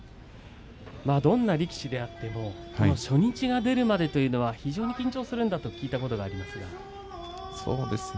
どんな力士でも初日が出るまでは非常に緊張するんだと聞いたことがありますがね。